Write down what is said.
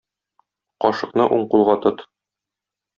Кашыкны уң кулга тот